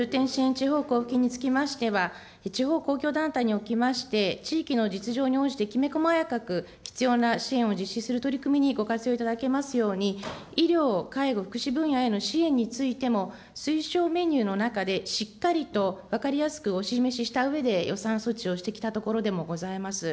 地方交付金におきましては、地方公共団体におきまして地域の実情に応じてきめ細かく必要な支援を実施する取り組みにご活用いただけますように、医療、介護、福祉分野への支援についても、推奨メニューの中でしっかりと分かりやすくお示ししたうえで、予算措置をしてきたところでもございます。